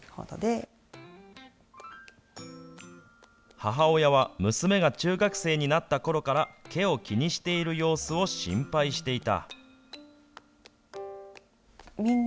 母親は、娘が中学生になったころから、毛を気にしている様子を心配していた。